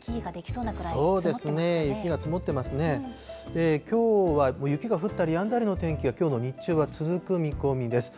きょうは雪が降ったりやんだりの天気がきょうの日中は続く見込みです。